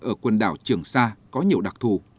ở quần đảo trường sa có nhiều đặc thù